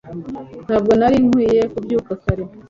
ntabwo nari nkwiye kubyuka kare